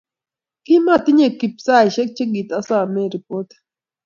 kimatinyei Kip saishek chegitasomane ripotit